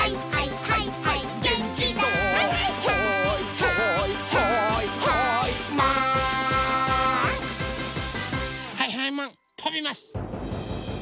はいはいマンとびます！